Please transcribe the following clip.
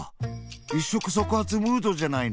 一触即発ムードじゃないの！